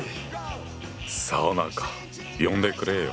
サウナか呼んでくれよ！